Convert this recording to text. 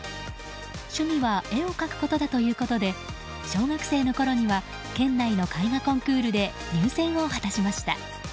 趣味は絵を描くことだということで小学生のころには県内の絵画コンクールで入選を果たしました。